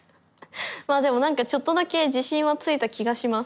まあでもなんかちょっとだけ自信はついた気がします